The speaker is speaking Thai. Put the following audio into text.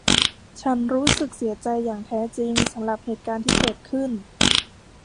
ฉันรู้สึกเสียใจอย่างแท้จริงสำหรับเหตุการณ์ที่เกิดขึ้น